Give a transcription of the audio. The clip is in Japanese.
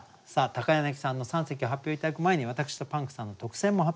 柳さんの三席を発表頂く前に私とパンクさんの特選も発表したいと思います。